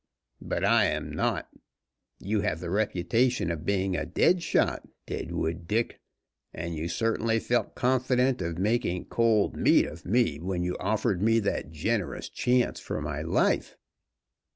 "But I am not. You have the reputation of being a dead shot, Deadwood Dick, and you certainly felt confident of making cold meat of me when you offered me that generous chance for my life."